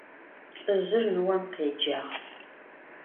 Lh'ızjır nıom khêcağ.